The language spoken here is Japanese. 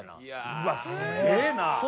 うわすげえな。